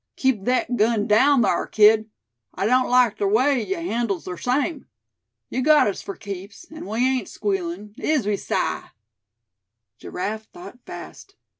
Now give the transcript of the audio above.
"Keep thet gun daown thar, kid; I don't like ther way yuh handles ther same. Yuh got us fur keeps; an' we ain't squealin', is we, Si?" Giraffe thought fast.